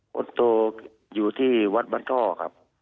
คนโตอยู่ที่วัดบ้านท่อครับ